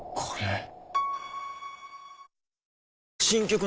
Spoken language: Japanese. これ。